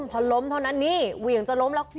พอล้มเท่านั้นนี่เหวี่ยงจะล้มแล้ว